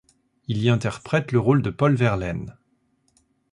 Il y interprète le rôle de Paul Verlaine.